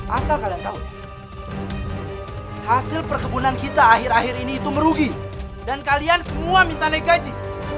asal kalian tahu hasil perkebunan kita akhir akhir ini itu merugi dan kalian semua minta naik gaji